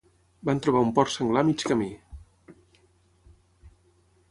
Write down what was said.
Van trobar un porc senglar a mig camí.